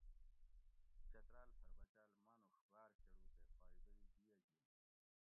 چتراۤل پھر بچاۤل ماۤنوڛ باۤر کڑو تے فائدہ ھی دیہ گھِین